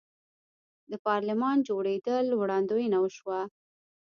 د پارلمان جوړیدل وړاندوینه وشوه.